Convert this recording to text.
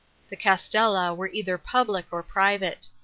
The castella were either public or private.